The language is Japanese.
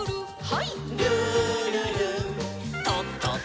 はい。